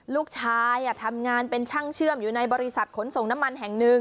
ลูกชายทำงานเป็นช่างเชื่อมอยู่ในบริษัทขนส่งน้ำมันแห่งหนึ่ง